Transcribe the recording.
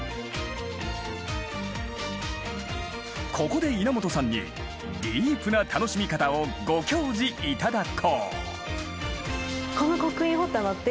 ここでいなもとさんにディープな楽しみ方をご教示頂こう。